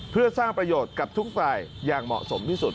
เพื่อสร้างประโยชน์กับทุกฝ่ายอย่างเหมาะสมที่สุด